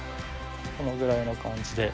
このくらいの感じで。